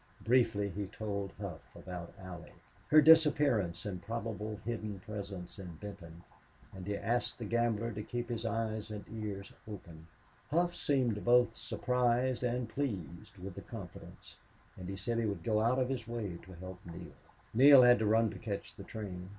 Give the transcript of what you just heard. Briefly he told Hough about Allie her disappearance and probable hidden presence in Benton, and he asked the gambler to keep his eyes and ears open. Hough seemed both surprised and pleased with the confidence, and he said he would go out of his way to help Neale. Neale had to run to catch the train.